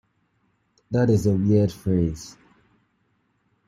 That is a weird phrase.